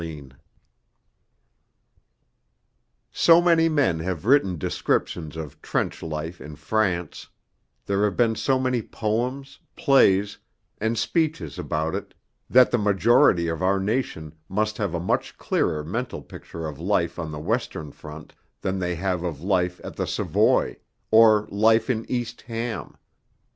III So many men have written descriptions of trench life in France; there have been so many poems, plays, and speeches about it that the majority of our nation must have a much clearer mental picture of life on the Western Front than they have of life at the Savoy, or life in East Ham.